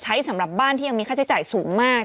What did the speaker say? สำหรับบ้านที่ยังมีค่าใช้จ่ายสูงมาก